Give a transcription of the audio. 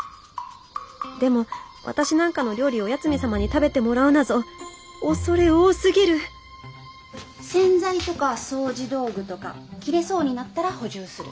でも私なんかの料理を八海サマに食べてもらうなぞ恐れ多すぎる洗剤とか掃除道具とか切れそうになったら補充する。